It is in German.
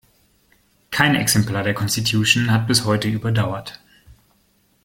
Kein Exemplar der Constitution hat bis heute überdauert.